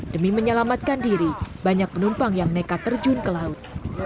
demi menyelamatkan diri banyak penumpang yang nekat terjun ke laut